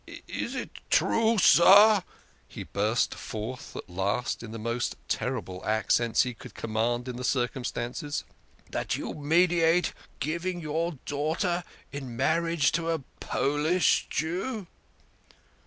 " Is it true, sir," he burst forth at last in the most terrible accents he could command in the circumstances, " that you meditate giving your daughter in marriage to a Polish Jew?"